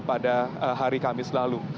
pada hari kamis lalu